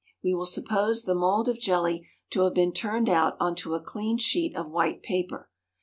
We will suppose the mould of jelly to have been turned out on to a clean sheet of white paper.